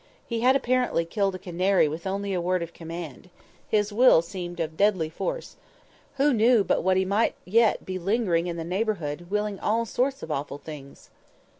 He had apparently killed a canary with only a word of command; his will seemed of deadly force; who knew but what he might yet be lingering in the neighbourhood willing all sorts of awful things!